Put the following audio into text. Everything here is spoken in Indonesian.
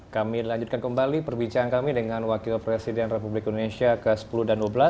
kami lanjutkan kembali perbincangan kami dengan wakil presiden republik indonesia ke sepuluh dan ke dua belas